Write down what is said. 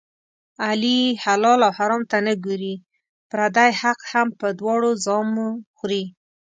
علي حلال او حرام ته نه ګوري، پردی حق هم په دواړو زامو خوري.